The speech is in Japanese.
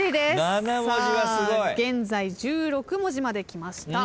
さあ現在１６文字まできました。